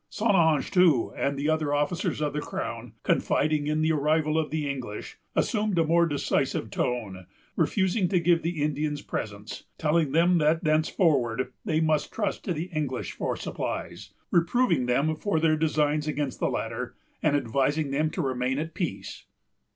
St. Ange, too, and the other officers of the crown, confiding in the arrival of the English, assumed a more decisive tone; refusing to give the Indians presents, telling them that thenceforward they must trust to the English for supplies, reproving them for their designs against the latter, and advising them to remain at peace.